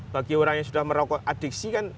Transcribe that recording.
bagi orang yang sudah merokok adiksi kan